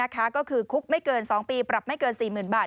ก็คือคุกไม่เกิน๒ปีปรับไม่เกิน๔๐๐๐บาท